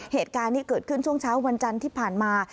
เหตุการณ์ที่เกิดขึ้นช่วงเช้าวันจันทร์ที่ผ่านมา